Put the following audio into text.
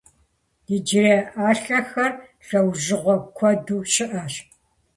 Иджырей ӏэлъэхэр лӏэужьыгъуэ куэду щыӏэщ.